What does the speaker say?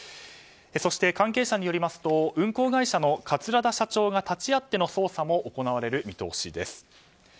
そして関係者によりますと運航会社の桂田社長が立ち会っての捜査も行われる見通しです。